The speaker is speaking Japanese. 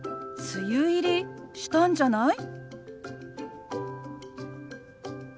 梅雨入りしたんじゃない？